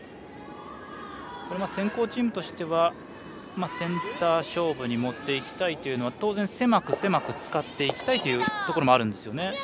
先攻チームとしてはセンター勝負に持っていきたいというのは当然、狭く、狭く使っていきたいというところもあるんですよね。